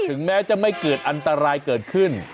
ถึงแม้จะไม่เกิดอันตรายเกิดขึ้น